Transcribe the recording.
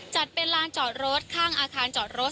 จัดเป็นลานจอดรถข้างอาคารจอดรถ